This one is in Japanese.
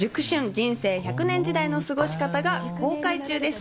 人生、百年時代の過ごし方」が公開中です。